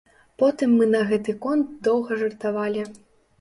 Потым мы на гэты конт доўга жартавалі.